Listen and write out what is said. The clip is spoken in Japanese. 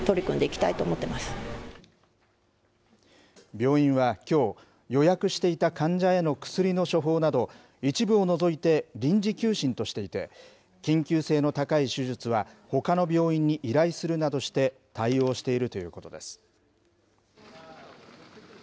病院はきょう、予約していた患者への薬の処方など、一部を除いて臨時休診としていて、緊急性の高い手術はほかの病院に依頼するなどして対応しているということです。